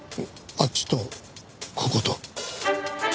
あっちとここと。